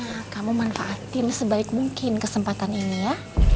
cuma hanya kamu manfaatin sebaik mungkin kesempatan ini ya